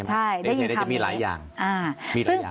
ได้ยินคำนี้